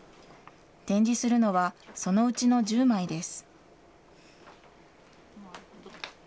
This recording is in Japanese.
展示するのはそのうちの１０枚です。